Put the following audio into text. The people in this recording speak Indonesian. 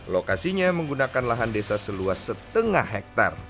lokasinya menggunakan lahan desa seluas setengah hektare